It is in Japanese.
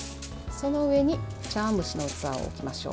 その上に茶碗蒸しの器を置きましょう。